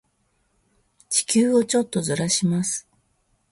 地球をちょっとずらします。